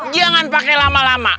jangan pakai lama lama